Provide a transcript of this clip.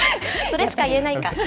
それしか言えないか。